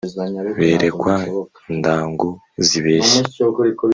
Berekwa indagu zibeshya